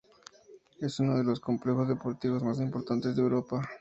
Es uno de los complejos deportivos más importantes de Europa.